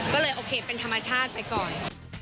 ก็เลยโอเคเป็นธรรมชาติไปก่อน